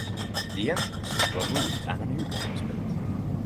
The entrances were moved and a new one was built.